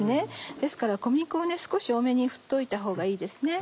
ですから小麦粉を少し多めに振っといたほうがいいですね。